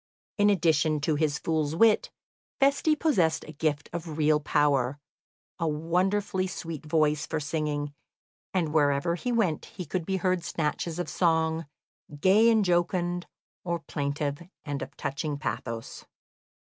In addition to his fool's wit, Feste possessed a gift of real power, a wonderfully sweet voice for singing, and wherever he went could be heard snatches of song, gay and jocund, or plaintive and of touching pathos.